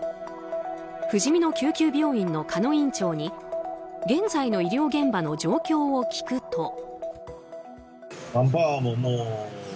ふじみの救急病院の鹿野院長に現在の医療現場の状況を聞くと。